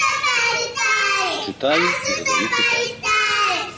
Чытаю і задаю пытанні.